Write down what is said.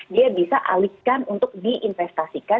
dia bisa alihkan untuk diinvestasikan